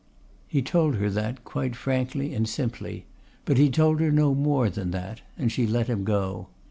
He told her that quite frankly and simply, but he told her no more than that, and she let him go.